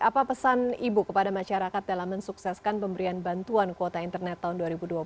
apa pesan ibu kepada masyarakat dalam mensukseskan pemberian bantuan kuota internet tahun dua ribu dua puluh